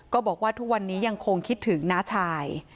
ก็บอกว่าทุกวันนี้ยังคงคิดถึงน้าชาย